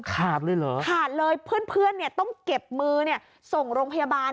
ขาดเลยเหรอขาดเลยเพื่อนต้องเก็บมือส่งโรงพยาบาล